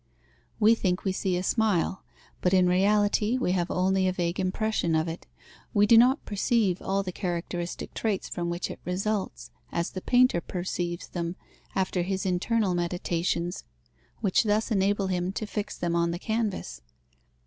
We think we see a smile, but in reality we have only a vague impression of it, we do not perceive all the characteristic traits from which it results, as the painter perceives them after his internal meditations, which thus enable him to fix them on the canvas.